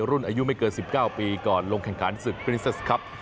รุ่นอายุไม่เกิน๑๙ปีก่อนลงแข่งขันศึกปริเซสครับ